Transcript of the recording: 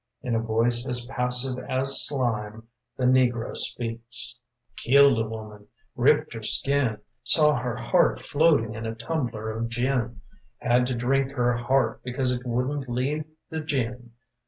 In a voice as passive as slime The negro speaks. " Killed a woman: ripped her skin. Saw her heart floating in a tumbler of gin. Had to drink her heart because it wouldn't leave the gin.